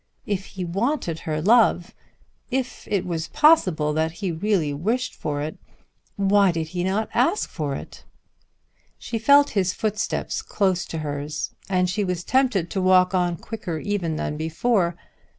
If he wanted her love, if it was possible that he really wished for it, why did he not ask for it? She felt his footsteps close to hers, and she was tempted to walk on quicker even than before.